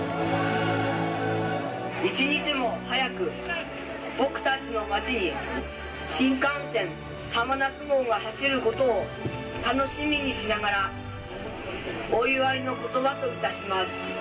「一日も早く僕たちの町に新幹線はまなす号が走る事を楽しみにしながらお祝いの言葉といたします」。